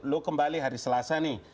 lo kembali hari selasa nih